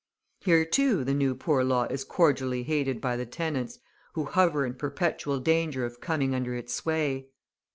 Here, too, the new Poor Law is cordially hated by the tenants, who hover in perpetual danger of coming under its sway.